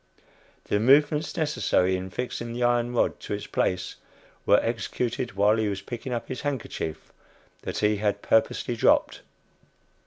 The movements necessary in fixing the iron rod to its place were executed while he was picking up his handkerchief, that he had purposely dropped.